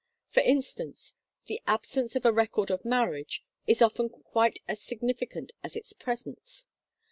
For instance, the absence of a record of marriage is often quite as significant as its presence.